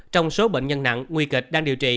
trong số bệnh nhân nặng nguy kịch đang điều trị